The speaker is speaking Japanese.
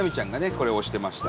これを推してました。